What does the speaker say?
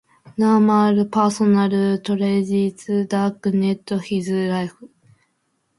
Numerous personal tragedies darkened his life.